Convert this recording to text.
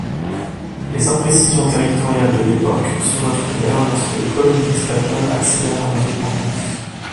Les imprécisions territoriales de l'époque se retrouvèrent lorsque les colonies espagnoles accédèrent à l'indépendance.